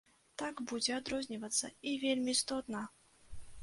Так, будзе адрознівацца, і вельмі істотна!!!!